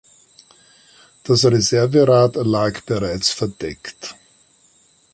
Das Reserverad lag bereits verdeckt.